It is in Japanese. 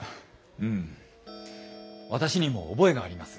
うん私にも覚えがあります。